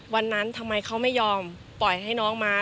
วันนั้นทำไมเขาไม่ยอมปล่อยให้น้องมา